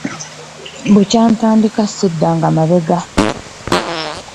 Bukya ntandika era ssiddanga mabega.